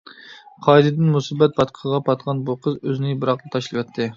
قايتىدىن مۇسىبەت پاتقىقىغا پاتقان بۇ قىز ئۆزىنى بىراقلا تاشلىۋەتتى.